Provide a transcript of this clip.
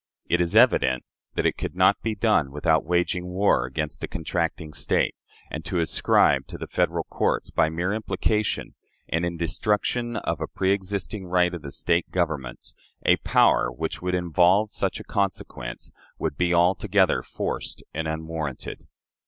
It is evident that it could not be done without waging war against the contracting State; and to ascribe to the Federal courts, by mere implication, and in destruction of a preëxisting right of the State governments, a power which would involve such a consequence, would be altogether forced and unwarranted."